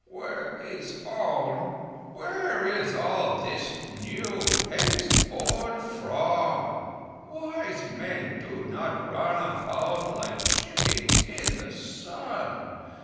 "Where is this new haste born from? Wise men do not run about like chickens in the sun.